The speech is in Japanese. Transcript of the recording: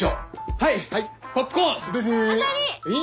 はい！